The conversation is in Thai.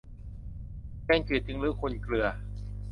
แกงจืดจึงรู้คุณเกลือ